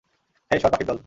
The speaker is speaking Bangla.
হেই, সর পাখির দল।